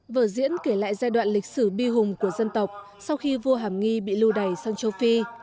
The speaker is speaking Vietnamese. vở diễn kể lại giai đoạn lịch sử bi hùng của dân tộc sau khi vua hàm nghi bị lưu đẩy sang châu phi